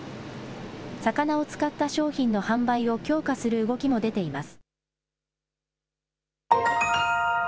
魚を使った商品の販売を強化する動きも出ています。